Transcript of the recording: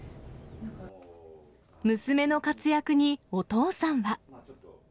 娘の活躍に、お父さんは。